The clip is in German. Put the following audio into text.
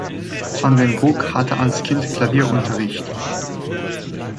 Van den Broeck hatte als Kind Klavierunterricht.